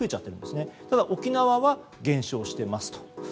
ただ沖縄は減少していますと。